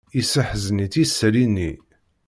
Yesseḥzen-itt yisalli-nni.